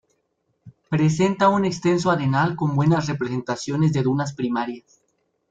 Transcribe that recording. Presenta un extenso arenal con buenas representaciones de dunas primarias.